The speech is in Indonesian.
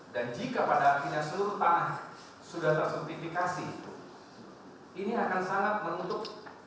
dan jika pada akhirnya seluruh tanah sudah tersertifikasi ini akan sangat menutup